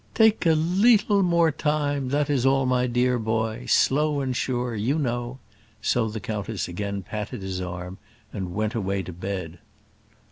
"Take a leetle more time that is all, my dear boy; slow and sure, you know;" so the countess again patted his arm and went away to bed.